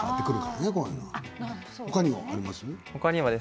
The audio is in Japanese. ほかにもありますか？